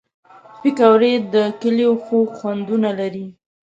پکورې د کلیو خوږ خوندونه لري